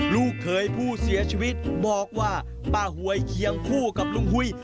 ลูกเคยผู้เสียชีวิตบอกว่าป้าหวยเคียงคู่กับลุงหุ้ย